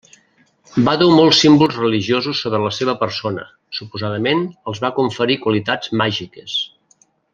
Va dur molts símbols religiosos sobre la seva persona; suposadament els va conferir qualitats màgiques.